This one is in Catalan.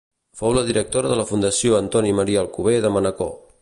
Fou la directora de la Fundació Antoni Maria Alcover de Manacor.